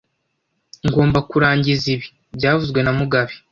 Ngomba kurangiza ibi byavuzwe na mugabe